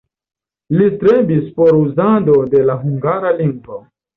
Li strebis por uzado de la hungara lingvo.